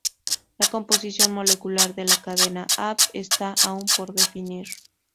La composición molecular de la cadena "aV" está aún por definir.